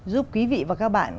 giúp quý vị và các bạn